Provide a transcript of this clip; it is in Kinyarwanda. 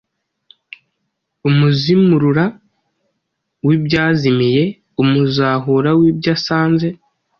Umuzimurura w’ibyazimiye, Umuzahura w’ibyo asanze.